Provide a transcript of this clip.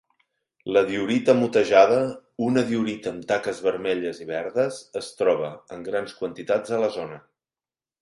La diorita motejada, una diorita amb taques vermelles i verdes, és troba en grans quantitats a la zona.